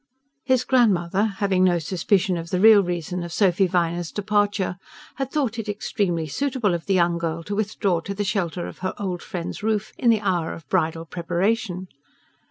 His grandmother, having no suspicion of the real reason of Sophy Viner's departure, had thought it "extremely suitable" of the young girl to withdraw to the shelter of her old friends' roof in the hour of bridal preparation.